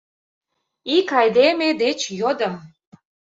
Ик айдеме деч йодым: